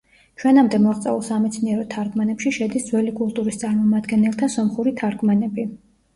ჩვენამდე მოღწეულ სამეცნიერო თარგმანებში შედის ძველი კულტურის წარმომადგენელთა სომხური თარგმანები.